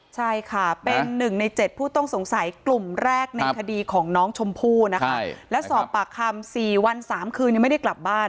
ใช่ค่ะเป็นหนึ่งใน๗ผู้ต้องสงสัยกลุ่มแรกในคดีของน้องชมพู่นะคะและสอบปากคำ๔วัน๓คืนยังไม่ได้กลับบ้าน